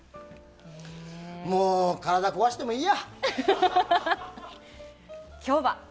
もう体、壊してもいいや！